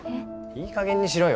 いいかげんにしろよ。